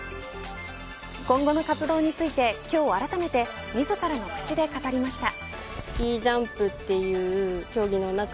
今後の活動について今日あらためて自らの口で語りました。